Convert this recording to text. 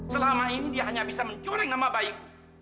selama ini dia hanya bisa mencoreng nama baik